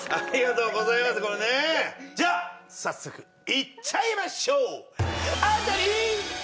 じゃあ早速いっちゃいましょう！